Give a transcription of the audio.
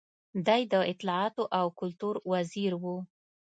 دی د اطلاعاتو او کلتور وزیر و.